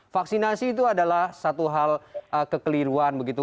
vaksinasi itu adalah satu hal kekeliruan begitu